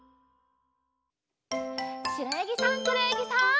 しろやぎさんくろやぎさん。